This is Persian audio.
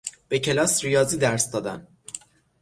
به کلاس ریاضی درس دادن